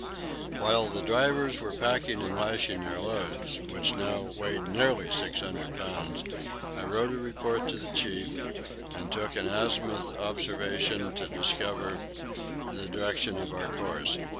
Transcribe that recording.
While the drivers were packing and lashing their loads, which now weighed nearly 600 pounds, I wrote a report to the Chief, and took an azimuth observation to determine the direction of our course.